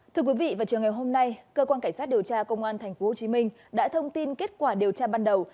thưa quý vị vào chiều ngày hôm nay cơ quan cảnh sát điều tra công an tp hcm đã thông tin kết quả điều tra ban đầu